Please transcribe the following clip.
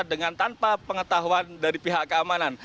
dengan tanpa pengetahuan dari pihak keamanan